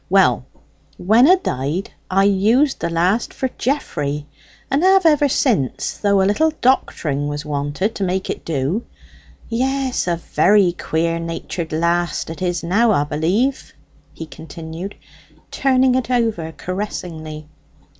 Well, when 'a died, I used the last for Geoffrey, and have ever since, though a little doctoring was wanted to make it do. Yes, a very queer natured last it is now, 'a b'lieve," he continued, turning it over caressingly.